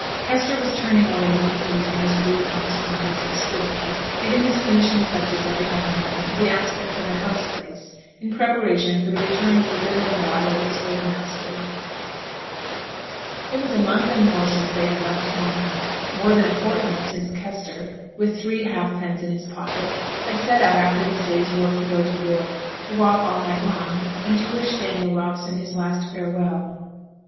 Kester was turning over many things in his rude honest mind as he stood there, giving his finishing touches every now and then to the aspect of the house place, in preparation for the return of the widow and daughter of his old master. It was a month and more since they had left home; more than a fortnight since Kester, with three halfpence in his pocket, had set out after his day's work to go to York to walk all night long, and to wish Daniel Robson his last farewell.